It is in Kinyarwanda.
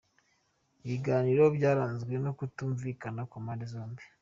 Ibiganiro byaranzwe no kutumvikana ku mpande zombi.